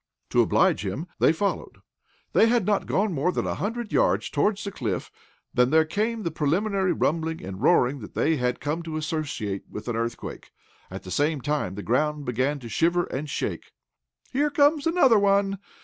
To oblige him they followed. They had not gone more than a hundred yards toward the cliff, than there came the preliminary rumbling and roaring that they had come to associate with an earthquake. At the same time, the ground began to shiver and shake. "Here comes another one!"